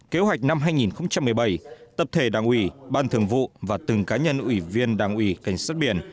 kế hoạch năm hai nghìn một mươi bảy tập thể đảng ủy ban thường vụ và từng cá nhân ủy viên đảng ủy cảnh sát biển